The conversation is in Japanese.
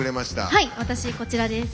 はい、私こちらです。